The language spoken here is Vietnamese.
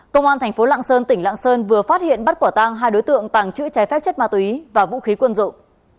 công an thành phố lạng sơn tỉnh lạng sơn vừa phát hiện bắt quả tang hai đối tượng tàng trữ trái phép chất ma túy và vũ khí quân dụng